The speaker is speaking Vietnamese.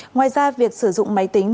ngoài ra việc sử dụng máy tính